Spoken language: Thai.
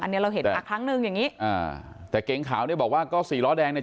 อันนี้เราเห็นมาครั้งหนึ่งอย่างงี้อ่าแต่เก๋งขาวเนี่ยบอกว่าก็สี่ล้อแดงเนี่ย